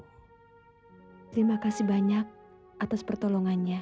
terima kasih banyak atas pertolongannya